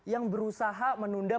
yang berusaha menunda